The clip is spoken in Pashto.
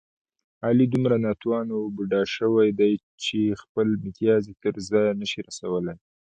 علي دومره ناتوانه و بوډا شوی دی، چې خپل متیازې تر ځایه نشي رسولی.